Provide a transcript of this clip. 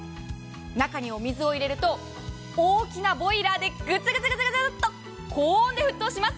中にお水を入れると、大きなボイラーでぐつぐつぐつぐつと高温で沸騰します。